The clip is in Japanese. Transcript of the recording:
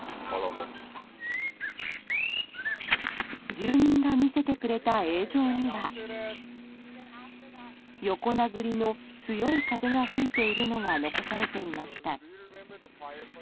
住民が見せてくれた映像には横殴りの強い風が吹いているのが残されていました。